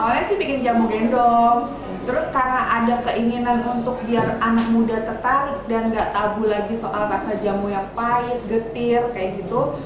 awalnya sih bikin jamu gendong terus karena ada keinginan untuk biar anak muda tertarik dan gak tabu lagi soal rasa jamu yang pahit getir kayak gitu